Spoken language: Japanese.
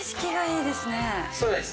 そうです